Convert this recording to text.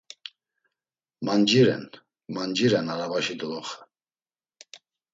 Manciren, manciren arabaşi doloxe.